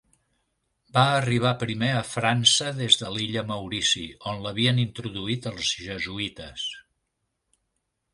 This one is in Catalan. Va arribar primer a França des de l'Illa Maurici, on l'havien introduït els Jesuïtes.